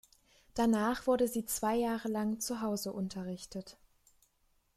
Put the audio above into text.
Danach wurde sie zwei Jahre lang zu Hause unterrichtet.